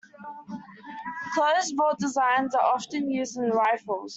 Closed-bolt designs are often used in rifles.